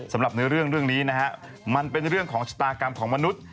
สำหรับเนื้อเรื่องเรื่องนี้มันเป็นเรื่องของชะตากรรมของมนุษย์